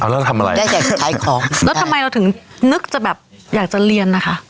แล้วทำอะไร๊ะแล้วทำไมเราถึงนึกอยากจะเรียนนะคะ